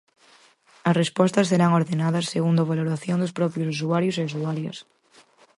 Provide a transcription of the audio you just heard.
As respostas serán ordenadas segundo a valoración dos propios usuarios e usuarias.